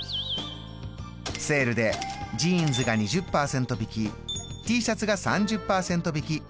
セールでジーンズが２０％引きＴシャツが３０％引き。